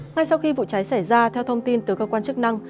ngay sau khi vụ cháy xảy ra theo thông tin từ cơ quan chức năng